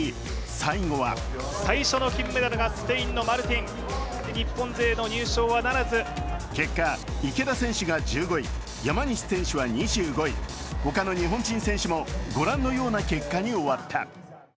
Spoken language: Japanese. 最後は結果、池田選手が１５位、山西選手は２５位、他の日本人選手もご覧のような結果に終わった。